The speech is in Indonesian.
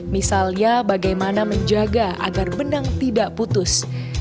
misalnya bagaimana menjaga agar benang tidak putus